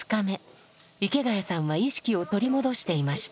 池谷さんは意識を取り戻していました。